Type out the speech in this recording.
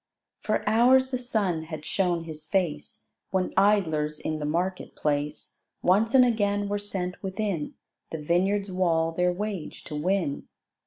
For hours the sun had shown his face, When idlers in the market place Once and again were sent within The vineyard's wall their wage to win.